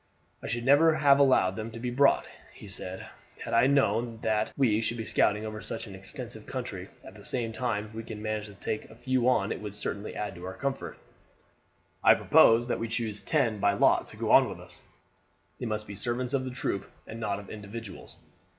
"I should never have allowed them to be brought," he said, "had I known that we should be scouting over such an extensive country; at the same time, if we can manage to take a few on it would certainly add to our comfort. I propose that we choose ten by lot to go on with us. They must be servants of the troop and not of individuals.